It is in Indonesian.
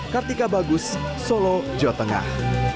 kartika bagus solo jawa tengah